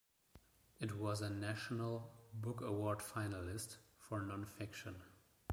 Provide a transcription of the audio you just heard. It was a National Book Award finalist for non-fiction.